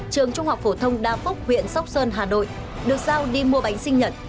trường trung học phổ thông đa phúc huyện sóc sơn hà nội được giao đi mua bánh sinh nhật